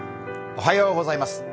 おはようございます。